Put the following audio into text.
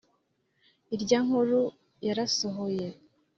irya nkuru yarasohoye